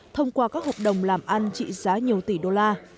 thông qua các hợp đồng làm ăn trị giá nhiều tỷ đô la